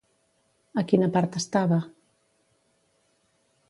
A quina part estava?